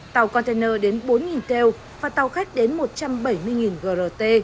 tàu container đến bốn keo và tàu khách đến một trăm bảy mươi grt